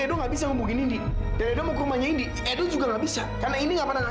ingat janin dalam kandungan kamu